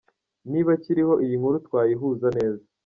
Niba akiriho, iyi nkuru twayihuza neza.